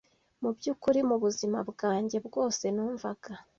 Mu byukuri mu buzima bwanjye bwose numvaga